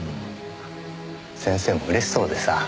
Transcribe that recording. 先生も嬉しそうでさ。